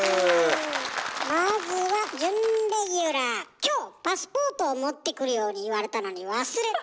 まずは今日パスポートを持ってくるように言われたのに忘れた